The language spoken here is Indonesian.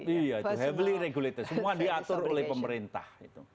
iya heavily regulated semua diatur oleh pemerintah